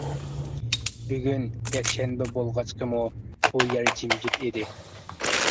بۈگۈن يەكشەنبە بولغاچقىمۇ بۇ يەر جىمجىت ئىدى.